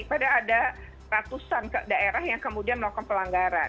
padahal ada ratusan daerah yang kemudian melakukan pelanggaran